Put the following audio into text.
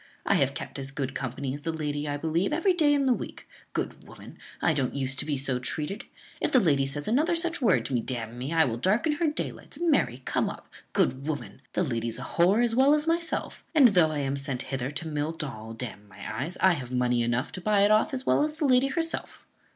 "I have kept as good company as the lady, I believe, every day in the week. Good woman! I don't use to be so treated. If the lady says such another word to me, d n me, I will darken her daylights. Marry, come up! Good woman! the lady's a whore as well as myself! and, though I am sent hither to mill doll, d n my eyes, I have money enough to buy it off as well as the lady herself."